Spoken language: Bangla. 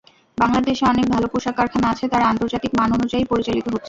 বাংলাদেশে অনেক ভালো পোশাক কারখানা আছে, তারা আন্তর্জাতিক মান অনুযায়ী পরিচালিত হচ্ছে।